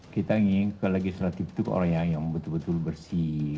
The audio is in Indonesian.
kita ingin ke legislatif itu orang yang betul betul bersih